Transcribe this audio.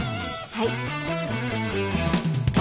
はい。